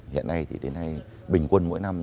hiện nay bình quân mỗi năm